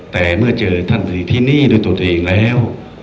แต่เมื่อเจอท่านตรีที่นี่โดยตนเองแล้ว